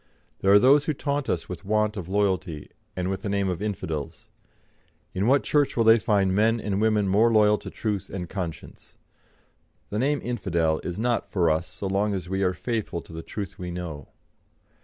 There are those who taunt us with want of loyalty, and with the name of infidels. In what church will they find men and women more loyal to truth and conscience? The name infidel is not for us so long as we are faithful to the truth we know.